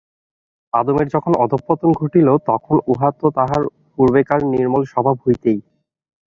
আদমের যখন অধঃপতন ঘটিল, তখন উহা তো তাঁহার পূর্বেকার নির্মল স্বভাব হইতেই।